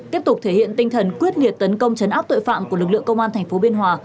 tiếp tục thể hiện tinh thần quyết liệt tấn công chấn áp tội phạm của lực lượng công an tp biên hòa